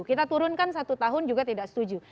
kita turunkan satu tahun juga tidak setuju